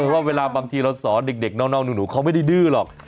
ว่าเวลาบางทีเราสอนเด็กน้องหนูเขาไม่ได้ดื้อหรอก